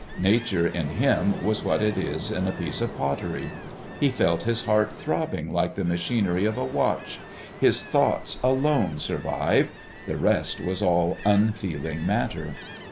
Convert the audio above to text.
Nature in him was what it is in a piece of pottery. He felt his heart throbbing like the machinery of a watch. His thoughts alone survived; the rest was all unfeeling matter.